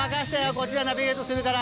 こっちがナビゲートするから。